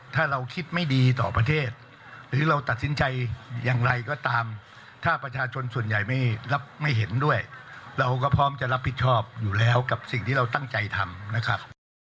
ถ้าเราคิดไม่ดีต่อประเทศหรือเราตัดสินใจอย่างไรก็ตามถ้าประชาชนส่วนใหญ่ไม่เห็นด้วยเราก็พร้อมจะรับผิดชอบอยู่แล้วกับสิ่งที่เราตั้งใจทำนะครับ